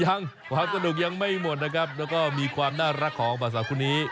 ยังความสนุกยังไม่หมดนะครับแล้วก็มีความน่ารักของบ่าวสาวคนนี้